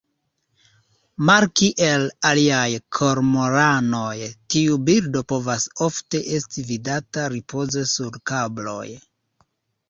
Malkiel aliaj kormoranoj, tiu birdo povas ofte esti vidata ripoze sur kabloj.